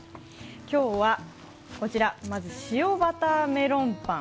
今日はまず塩バターメロンパン